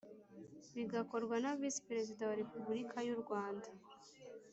bigakorwa na Visi Perezida wa repubulika yu Rwanda